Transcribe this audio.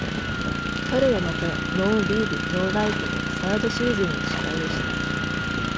彼はまた「ノー・リーヴ・ノー・ライフ」のサードシーズンの司会をした。